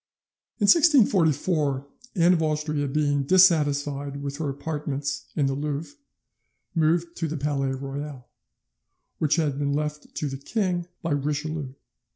"In 1644, Anne of Austria being dissatisfied with her apartments in the Louvre, moved to the Palais Royal, which had been left to the king by Richelieu.